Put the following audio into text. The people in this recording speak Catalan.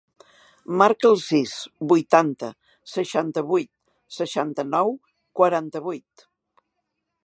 Marca el sis, vuitanta, seixanta-vuit, seixanta-nou, quaranta-vuit.